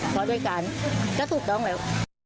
เพราะด้วยกันก็ถูกต้องแล้ว